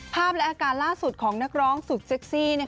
และอาการล่าสุดของนักร้องสุดเซ็กซี่